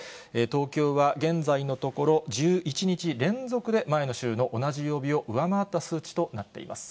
東京は現在のところ、１１日連続で前の週の同じ曜日を上回った数値となっています。